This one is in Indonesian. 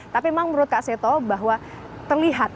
tapi memang menurut kak seto bahwa terlihat